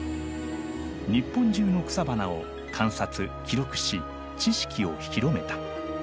日本中の草花を観察記録し知識を広めた。